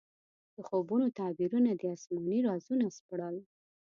د خوبونو تعبیرونه دې اسماني رازونه سپړل.